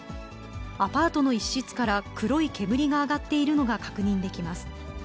アパートの一室から黒い煙が上がっているのが確認できます。